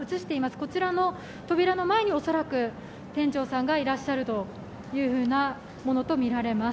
こちらの扉の前に店長さんがいらっしゃるというふうなものとみられます。